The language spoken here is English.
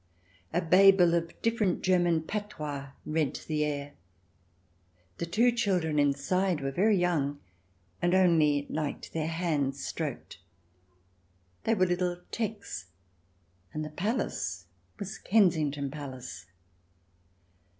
A babel of different German patois rent the air. The two children inside were very young, and only liked their hands stroked. They were little Tecks, and the palace was Kensington Palace.